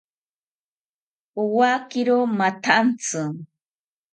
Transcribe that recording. Owakiro mathantzi